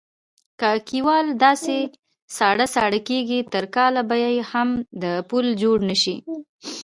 که کیوال داسې ساړه ساړه کېږي تر کاله به هم د پول جوړ نشي.